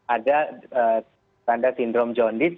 ada tanda sindrom jaundit